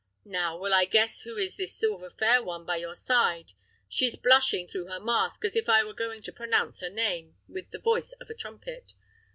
Now, will I guess who is this silver fair one by your side? she's blushing through her mask as if I were going to pronounce her name with the voice of a trumpet.